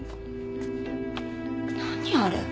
何あれ？